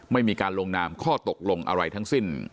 ไม่มีการลงนามข้อตกลงอะไรทั้งสิ้น